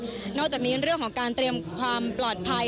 ตอนนี้เรื่องคนพบกันกันสำหรับการเตรียมความปลอดภัย